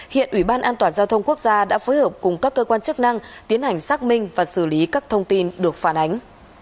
hiện ủy ban an toàn giao thông quốc gia đã phối hợp cùng các cơ quan chức năng tiến hành xác minh và xử lý các thông tin được phản ánh